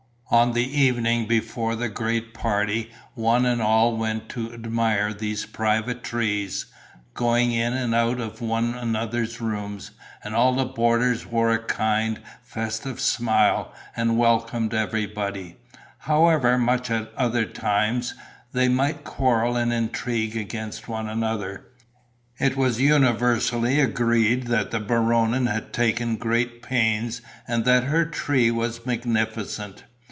On the evening before the great party one and all went to admire these private trees, going in and out of one another's rooms; and all the boarders wore a kind, festive smile and welcomed everybody, however much at other times they might quarrel and intrigue against one another. It was universally agreed that the Baronin had taken great pains and that her tree was magnificent.